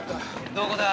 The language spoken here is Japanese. どこだ？